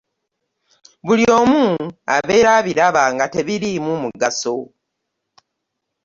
Buli omu abeera abiraba nga tebiriimu mugaso .